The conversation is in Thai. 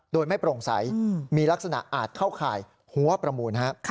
โดยไม่โปร่งใสมีลักษณะอาจเข้าข่ายหัวประมูล